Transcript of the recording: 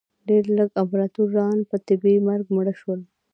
ډېر لږ امپراتوران په طبیعي مرګ مړه شول